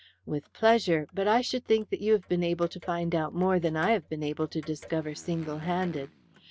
"With pleasure, but I should think that you have been able to find out more than I have been able to discover single handed.